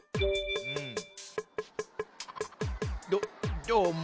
どどーも？